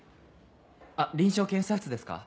あっ臨床検査室ですか？